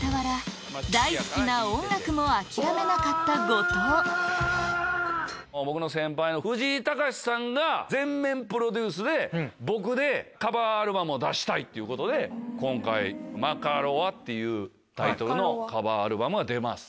お笑いの傍ら僕の先輩の藤井隆さんが全面プロデュースで僕でカバーアルバムを出したい！っていうことで今回『マカロワ』ってタイトルのカバーアルバムが出ます。